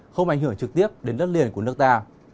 không ảnh hưởng trực tiếp đến đất liền của nước ta